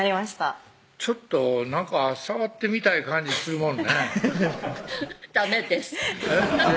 ちょっとなんか触ってみたい感じするもんねダメですえっ？